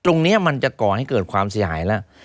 ตรงนี้มันจะก่อให้เกิดความเสียหายแล้ว